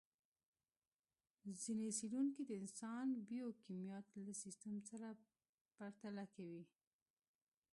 ځينې څېړونکي د انسان بیوکیمیا له سیستم سره پرتله کوي.